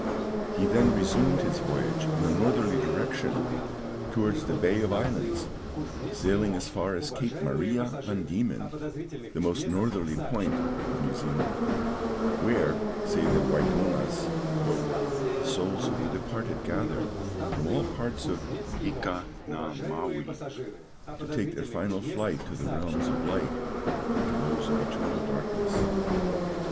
He then resumed his voyage in a northerly direction towards the Bay of Islands, sailing as far as Cape Maria Van Diemen, the most northerly point of New Zealand, where, say the Waïdonas, "the souls of the departed gather from all parts of Ika Na Mawi, to take their final flight to the realms of light or to those of eternal darkness."